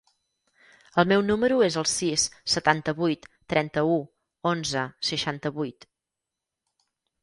El meu número es el sis, setanta-vuit, trenta-u, onze, seixanta-vuit.